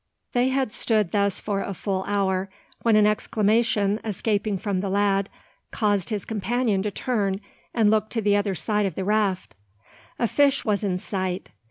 They had stood thus for a full hour, when an exclamation escaping from the lad, caused his companion to turn and look to the other side of the raft. A fish was in sight.